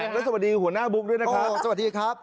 และสวัสดีหัวหน้าบุ๊บด้วยนะครับ